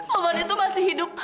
taufan itu masih hidup